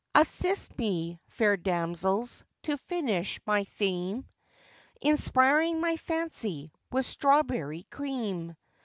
Assist me, fair damsels, to finish my theme, Inspiring my fancy with strawberry cream.